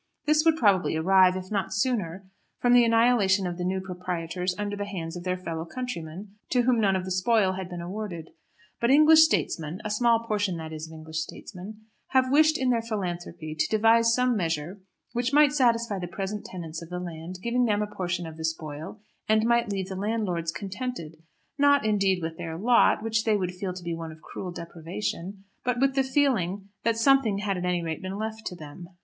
This would probably arrive, if not sooner, from the annihilation of the new proprietors under the hands of their fellow countrymen to whom none of the spoil had been awarded. But English statesmen, a small portion, that is, of English statesmen, have wished in their philanthropy to devise some measure which might satisfy the present tenants of the land, giving them a portion of the spoil; and might leave the landlords contented, not indeed with their lot, which they would feel to be one of cruel deprivation, but with the feeling that something had at any rate been left to them.